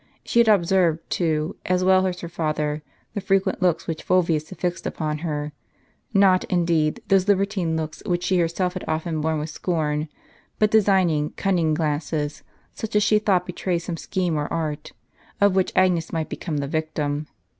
She had observed, too, as well as her father, the frequent looks which Fulvius had fixed upon her; not, indeed, those libertine looks which she herself had often borne with scorn, but designing, cunning glances, such as she thought betrayed some scheme or art, of Avhich Agnes might become the victim.